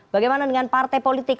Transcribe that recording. bagaimana dengan partai politik